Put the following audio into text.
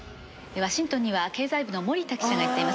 ワシントンには経済部の森田記者が行っています。